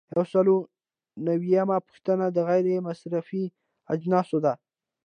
یو سل او نوي یمه پوښتنه د غیر مصرفي اجناسو ده.